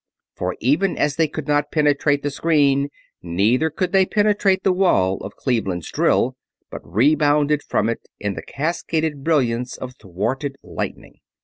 For even as they could not penetrate the screen, neither could they penetrate the wall of Cleveland's drill, but rebounded from it in the cascaded brilliance of thwarted lightning.